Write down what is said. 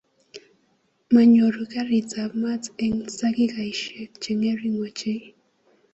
Manyoru karitab mat eng takikaishek chengering ochei